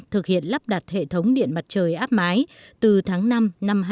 thực hiện lắp đặt hệ thống điện mặt trời áp mái từ tháng năm năm hai nghìn hai mươi